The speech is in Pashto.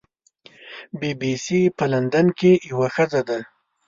بی بي سي په لندن کې یوه ښځه ده.